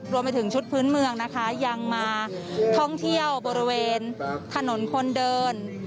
รวมไปถึงชุดพื้นเมืองนะคะยังมาท่องเที่ยวบริเวณถนนคนเดิน